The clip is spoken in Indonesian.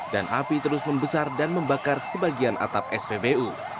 dan api terus membesar dan membakar sebagian atap spbu